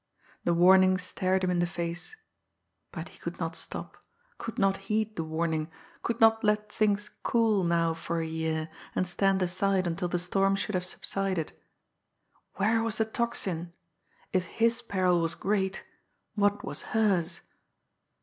The warning stared him in the face. But he could not stop, could not heed the warning, could not let things "cool" now for a year, and stand aside until the storm should have subsided! Where was the Tocsin? If his peril was great what was hers!